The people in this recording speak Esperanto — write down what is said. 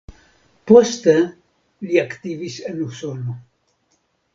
Poste li aktivis en Usono.